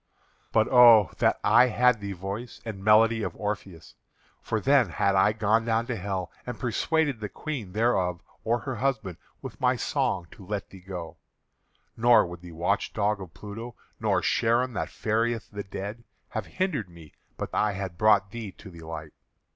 But oh! that I had the voice and melody of Orpheus, for then had I gone down to Hell and persuaded the Queen thereof or her husband with my song to let thee go; nor would the watch dog of Pluto, nor Charon that ferrieth the dead, have hindered me but that I had brought thee to the light.